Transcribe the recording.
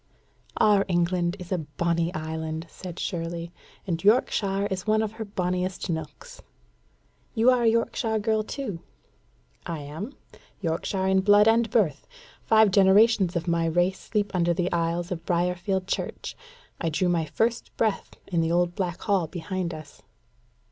"Our England is a bonnie island," said Shirley, "and Yorkshire is one of her bonniest nooks." "You are a Yorkshire girl too?" "I am Yorkshire in blood and birth. Five generations of my race sleep under the aisles of Briarfield Church: I drew my first breath in the old black hall behind us."